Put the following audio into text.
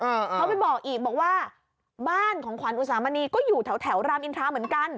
เขาไปบอกอีกบอกว่าบ้านของขวัญอุสามณีก็อยู่แถวแถวรามอินทราเหมือนกัน